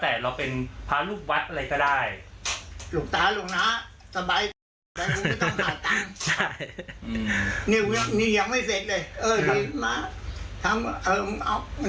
แต่เวลาออกข่าวแล้วทำไมพวกราชการทั้งไหนโดนถึงเต้นเป็นงิ้วอย่างนั้น